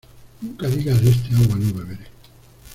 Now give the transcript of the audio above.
Nunca digas de este agua no beberé.